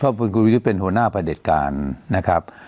เพราะผมอยู่ที่เป็นหัวหน้าประเด็นการนะครับ